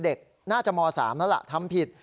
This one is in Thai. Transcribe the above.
เด็กน่าจะม๓แล้วล่ะทำผิด